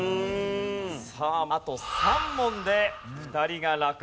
さああと３問で２人が落第です。